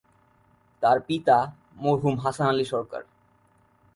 তার পিতা মরহুম হাসান আলী সরকার।